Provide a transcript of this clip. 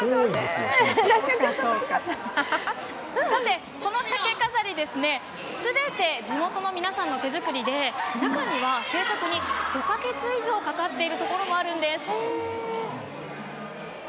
こちらの竹飾り、全て地元の皆さんが制作していて中には、制作に５か月以上かかっているところもあるんです。